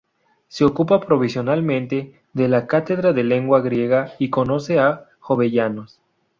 Se ocupa provisionalmente de la cátedra de lengua griega y conoce a Jovellanos.